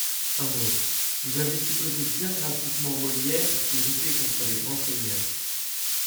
Un autre :« Vous avez supposé bien gratuitement Molière irrité contre les grands seigneurs.